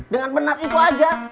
dengan benar itu aja